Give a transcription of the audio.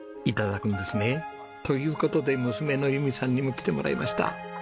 頂くんですね。という事で娘の有未さんにも来てもらいました。